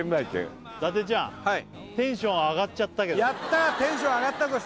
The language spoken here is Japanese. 伊達ちゃんテンション上がっちゃったけどテンション上がったぞ